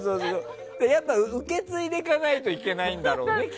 やっぱり受け継いでいかないといけないんだろうね。